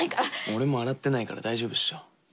俺も洗ってないから大丈夫っしょ。